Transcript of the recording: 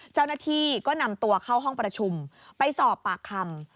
เจ้าหน้าที่ก็นำตัวเข้าห้องประชุมไปสอบปากคำ